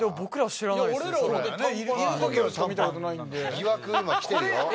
疑惑今来てるよ。